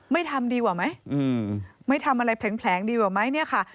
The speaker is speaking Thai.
ทำดีกว่าไหมไม่ทำอะไรแผลงดีกว่าไหมเนี่ยค่ะ